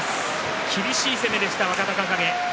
厳しい攻めでした若隆景。